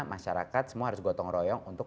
masyarakat semua harus gotong royong untuk